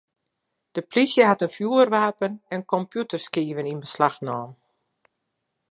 De plysje hat in fjoerwapen en kompjûterskiven yn beslach naam.